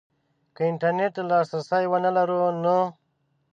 که انترنټ ته لاسرسی ونه لرو نو